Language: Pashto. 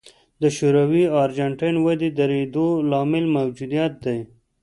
د شوروي او ارجنټاین ودې درېدو لامل موجودیت دی.